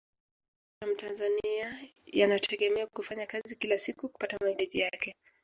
maisha ya mtanzania yanategemea kufanya kazi kila siku kupata mahitaji yake